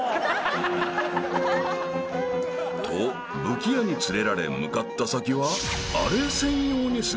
［と武器屋に連れられ向かった先は］